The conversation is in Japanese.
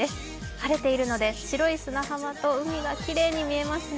晴れているので白い砂浜と海がきれいに見えますね。